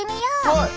はい。